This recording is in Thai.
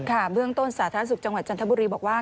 เบื้องต้นสาธารณสุขจังหวัดจันทบุรีบอกว่า